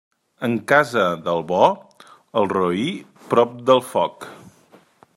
En casa del bo, el roí prop del foc.